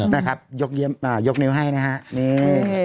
นะครับยกนิ้วให้นะฮะนี่